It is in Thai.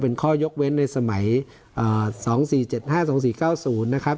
เป็นข้อยกเว้นในสมัยเอ่อสองสี่เจ็ดห้าสองสี่เก้าศูนย์นะครับ